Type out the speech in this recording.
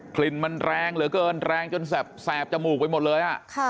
กลิ่นมันแรงเหลือเกินแรงจนแสบจมูกไปหมดเลย